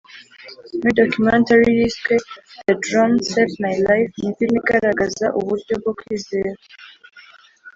muri documentary yiswe The Drone saved my life Ni filimi igaragaza uburyo bwo kwizera